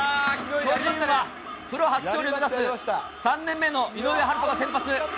巨人はプロ初勝利目指す、３年目の井上温大が先発。